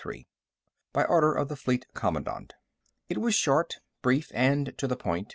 By order of the Fleet Commandant. It was short, brief, and to the point.